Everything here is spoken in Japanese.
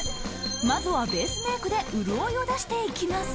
まずはベースメークで潤いを出していきます。